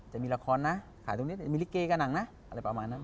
จะมีละครนะจะมีลิเกกะหนังนะอะไรประมาณนั้น